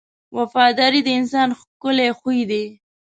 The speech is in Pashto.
• وفاداري د انسان ښکلی خوی دی.